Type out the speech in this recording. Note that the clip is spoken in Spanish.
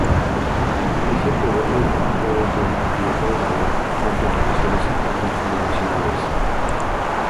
Siempre voto y trabajó dentro del Partido Colorado tanto en elecciones internas como nacionales.